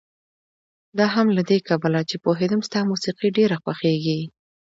دا هم له دې کبله چې پوهېدم ستا موسيقي ډېره خوښېږي.